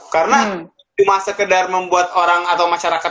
karena cuma sekedar membuat orang atau masyarakat